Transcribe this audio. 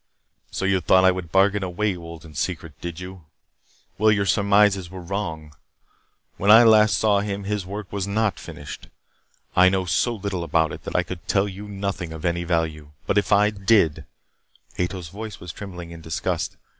"So, you thought I would bargain away Wolden's secret, did you? Well, your surmises were wrong. When last I saw him his work was not finished. I know so little about it that I could tell you nothing of any value. But if I did," Ato's voice was trembling in disgust.